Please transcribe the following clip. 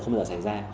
không bao giờ xảy ra